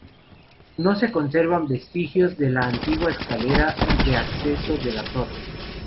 No se conservan vestigios de la antigua escalera de acceso a la torre.